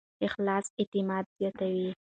اخلاص اعتماد زیاتوي.